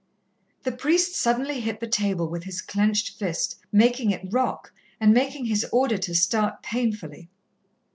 The priest suddenly hit the table with his clenched fist, making it rock, and making his auditor start painfully.